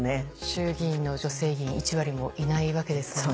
衆議院の女性議員１割もいないわけですもんね。